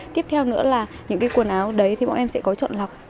tiếp theo nữa là những cái quần áo đấy thì bọn em sẽ có chọn lọc